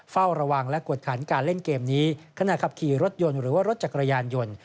เฝ้าระวังและกวดขันการเล่นเกมนี้ขณะขับขี่รถยนต์หรือว่ารถจักรยานยนต์